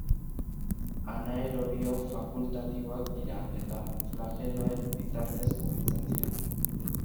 Anaerobio fakultatiboak dira eta flageloen bitartez mugitzen dira.